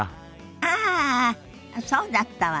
ああそうだったわね。